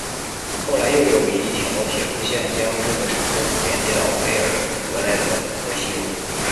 后来又有一条铁路线将这个城镇连接到贝尔格莱德和西欧。